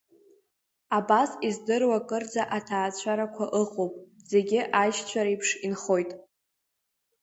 Абас издыруа кырӡа аҭаацәарақәа ыҟоуп зегьы аишьцәа реиԥш инхоит.